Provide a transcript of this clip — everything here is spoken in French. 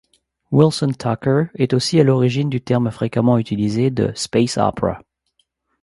Wilson Tucker est aussi à l'origine du terme fréquemment utilisé de space opera.